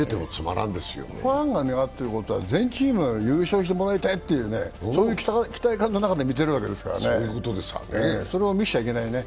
ファンは全チーム優勝してもらいたいという期待感の中で見ているわけですから、それを見せちゃいけないね。